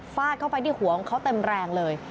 ฟาดเข้าไปที่หัวเขาเต็มแรงเลย